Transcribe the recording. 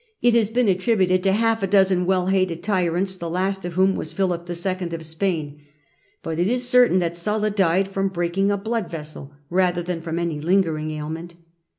It has been attributed to half a dozen well hated tyrants, the last of whom was Philip IL of Spain. But it is certain that Sulla died from breaking a blood vessel rather than from any lingering ailment.